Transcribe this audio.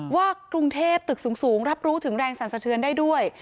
ว่ากรุงเทพตึกสูงรับรู้ถึงแรงสั่นสะเทือนได้ด้วย